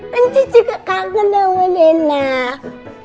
nenek juga kangen sama nenek